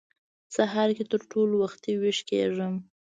سهار کې تر ټولو وختي وېښ کېږم.